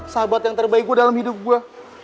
sahabat yang terbaik gue dalam hidup gue